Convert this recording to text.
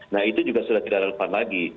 nah itu juga sudah tidak relevan lagi